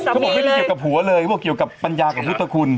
เขาบอกไม่ได้เกี่ยวกับหัวเลยเขาบอกเกี่ยวกับปัญญากับพุทธคุณ